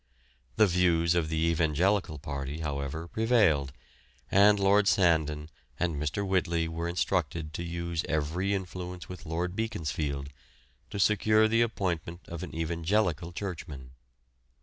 The views of the evangelical party, however, prevailed, and Lord Sandon and Mr. Whitley were instructed to use every influence with Lord Beaconsfield to secure the appointment of an evangelical churchman.